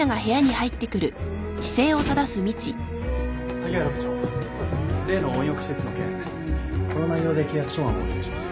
・萩原部長例の温浴施設の件この内容で契約書案をお願いします。